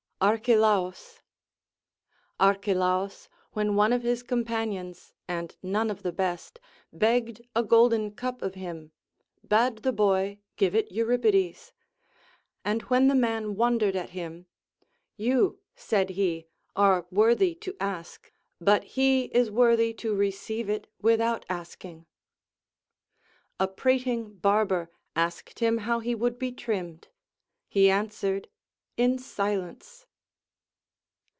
Archelaus. Archelaus, when one of his companions (and none of the best) begged a golden cup of him, bade the boy give it Euripides ; and when the man wondered VOL. I. 18 194 THE APOPHTHEGMS OF KINGS at him, You, said he, are worthy to ask, but he is worthy to receive it Avithout asking. A prating barber asked him how he would be trimmed. He answered. In silence.